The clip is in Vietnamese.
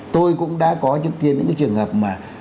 tôi cũng đã có những cái trường hợp mà